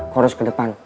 kau harus ke depan